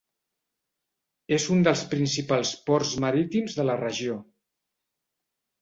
És un dels principals ports marítims de la regió.